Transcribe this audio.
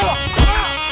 lo sudah bisa berhenti